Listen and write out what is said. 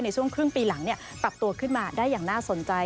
ในช่วงครึ่งปีหลังปรับตัวขึ้นมาได้อย่างน่าสนใจ